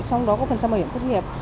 trong đó có phần trăm bảo hiểm tốt nghiệp